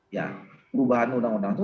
ya perubahan undang undang itu